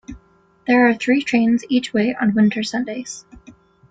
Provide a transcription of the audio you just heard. There are three trains each way on winter Sundays.